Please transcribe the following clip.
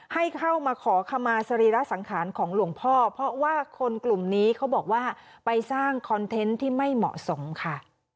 ให้เข้ามาขอขมาสรีระสังขารของหลวงพ่อเพราะว่าคนกลุ่มนี้เขาบอกว่าไปสร้างคอนเทนต์ที่ไม่เหมาะสมค่ะ